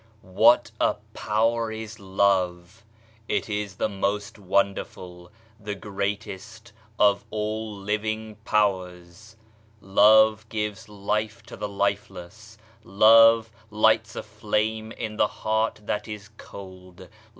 HAT a power is Love ! It is the most wonderful, the greatest of all living powers. Love gives life to the lifeless. Love lights a flame in the heart that is cold.